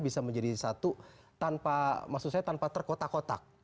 bisa menjadi satu tanpa terkotak kotak